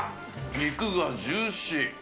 肉がジューシー。